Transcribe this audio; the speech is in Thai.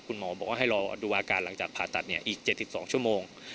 คุณหมอบอกว่าให้รอดูอาการหลังจากผ่าตัดอีก๗๒ชั่วโมง